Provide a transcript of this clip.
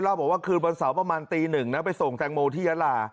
บอกว่าคืนวันเสาร์ประมาณตีหนึ่งนะไปส่งแตงโมที่ยาลา